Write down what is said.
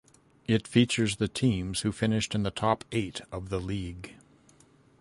It features the teams who finished in the top eight of the League.